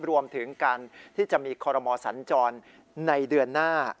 รวมถึงการที่จะมีคอรมอสัญจรในเดือนหน้า